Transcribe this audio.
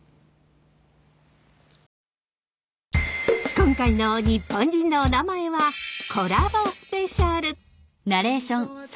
今回の「日本人のおなまえ」はコラボスペシャル！